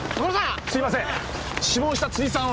すいません。